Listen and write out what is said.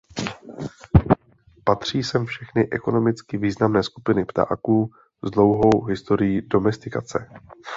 Patří sem všechny ekonomicky významné skupiny ptáků s dlouhou historií domestikace.